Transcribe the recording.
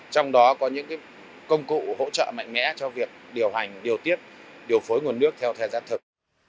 trong đó có những công cụ hỗ trợ mạnh mẽ cho việc điều hành điều tiết điều phối nguồn nước theo thời gian thực